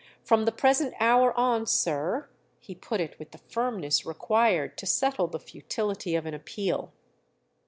From the present hour on, sir"—he put it with the firmness required to settle the futility of an appeal.